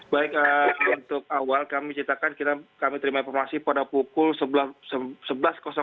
baik untuk awal kami ceritakan kami terima informasi pada pukul sebelas